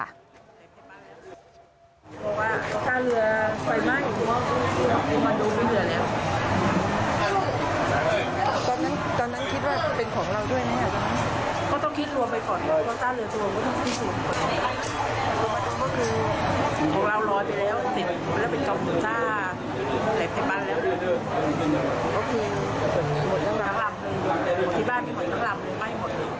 แถวแบบนี้ยังไม่เห็นไปให้หมดเลย